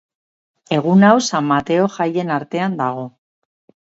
Egun hau San Mateo jaien artean dago.